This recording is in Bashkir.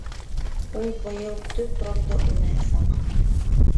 Ул быйыл төп ролде уйнаясаҡ.